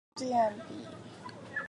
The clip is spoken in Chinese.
钫的电离能比铯稍高。